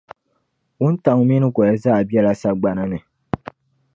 Wuntaŋa mini goli zaa bela sagbana ni.